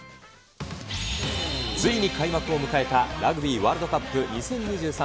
ついに開幕を迎えたラグビーワールドカップ２０２３